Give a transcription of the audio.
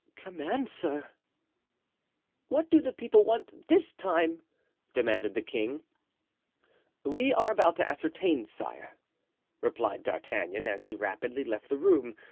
"Command, sir." "What do the people want this time?" demanded the king. "We are about to ascertain, sire," replied D'Artagnan, as he rapidly left the room.